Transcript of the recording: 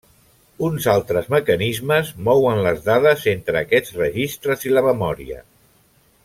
Uns altres mecanismes mouen les dades entre aquests registres i la memòria.